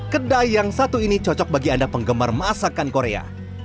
kedai yang satu ini cocok bagi anda penggemar masakan korea